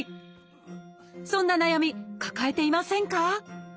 そんな悩み抱えていませんか？